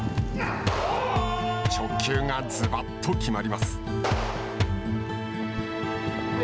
直球がずばっと決まります。